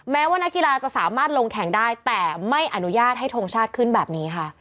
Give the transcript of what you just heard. แม้ว่านักกีฬาจะสามารถลงแข่งได้แต่ไม่อนุญาตให้ทงชาติขึ้นแบบนี้ค่ะ